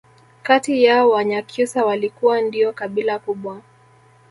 kati yao Wanyakyusa walikuwa ndio kabila kubwa